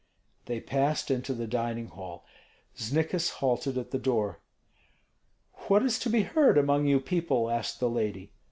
They passed into the dining hall; Znikis halted at the door. "What is to be heard among you people?" asked the lady.